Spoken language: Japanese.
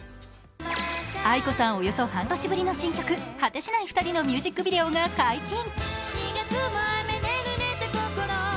ａｉｋｏさん、およそ半年ぶりの新曲「果てしない二人」のミュージックビデオが解禁。